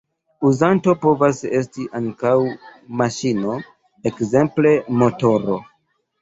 Uzanto povas esti ankaŭ maŝino, ekzemple motoro.